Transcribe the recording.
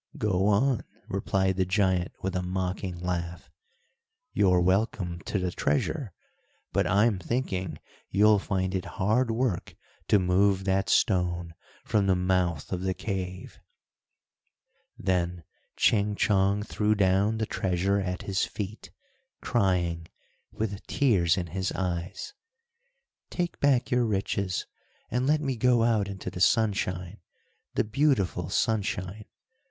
"Go on!" replied the giant, with a mocking laugh. "You're welcome to the treasure, but I'm thinking you'll find it hard work to move that stone from the mouth of the cave." Then Ching Chong threw down the treasure at his feet, crying, with tears in his eyes, "Take back your riches, and let me go out into the sunshine! the beautiful sunshine!